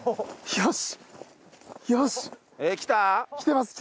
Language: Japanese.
よし！